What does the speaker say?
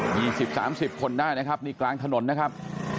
๒๐๓๐คนได้นะครับนี่กลางถนนนะครับ